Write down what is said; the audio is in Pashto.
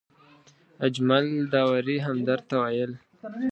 اجمل داوري همدرد ته وویل.